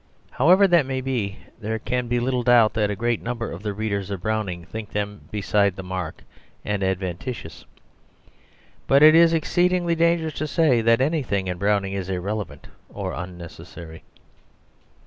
However that may be, there can be little doubt that a great number of the readers of Browning think them beside the mark and adventitious. But it is exceedingly dangerous to say that anything in Browning is irrelevant or unnecessary.